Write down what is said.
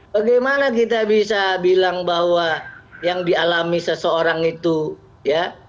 bagaimana kita bisa bilang bahwa yang dialami seseorang itu ya